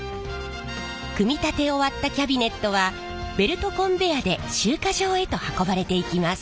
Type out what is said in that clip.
組み立て終わったキャビネットはベルトコンベヤーで集荷場へと運ばれていきます。